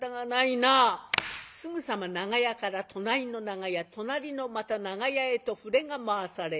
すぐさま長屋から隣の長屋隣のまた長屋へと触れが回される。